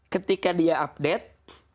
ketika dia update